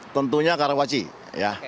tentunya karawaci ya